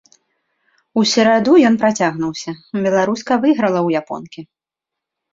У сераду ён працягнуўся, беларуска выйграла ў японкі.